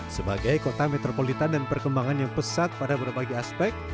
sebagai kota metropolitan dan perkembangan yang pesat pada berbagai aspek